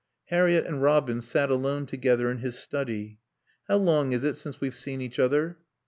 Harriett and Robin sat alone together in his study. "How long is it since we've seen each other?"